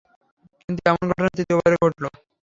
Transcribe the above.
কিন্তু এমন ঘটনা তৃতীয়বার ঘটলো।